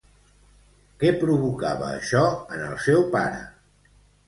Què provocava això en el seu pare?